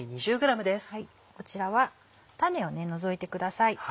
こちらは種を除いてください。